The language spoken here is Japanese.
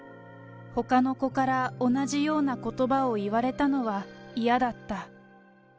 ほかの子から同じようなことばを言われたのは嫌だった。